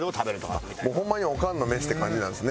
もうホンマにオカンのメシって感じなんですね。